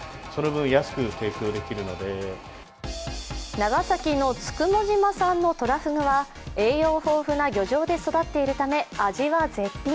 長崎の九十九島産のとらふぐは栄養豊富な漁場で育っているため味は絶品。